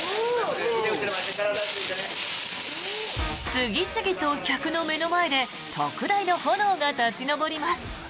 次々と客の目の前で特大の炎が立ち上ります。